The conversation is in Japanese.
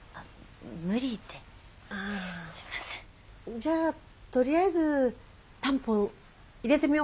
じゃあとりあえずタンポン入れてみようか。